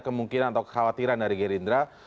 kemungkinan atau kekhawatiran dari gerindra